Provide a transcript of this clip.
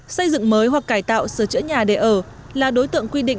xây dựng mới hoặc cải tạo sửa chữa nhà để ở là đối tượng quy định